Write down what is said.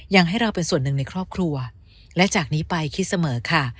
ให้เราเป็นส่วนหนึ่งในครอบครัวและจากนี้ไปคิดเสมอค่ะ